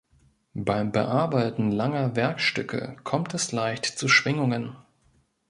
Beim Bearbeiten langer Werkstücke kommt es leicht zu Schwingungen.